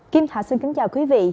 kim thảo xin kính chào quý vị